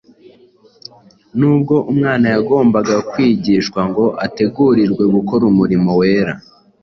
Nubwo umwana yagombaga kwigishwa ngo ategurirwe gukora umurimo wera,